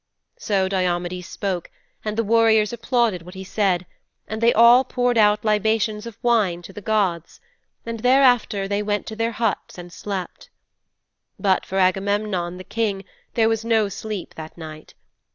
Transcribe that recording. "' 'So Diomedes spoke and the warriors applauded what he said, and they all poured out libations of wine to the gods, and thereafter they went to their huts and slept. But for Agamemnon, the King, there was no sleep that night.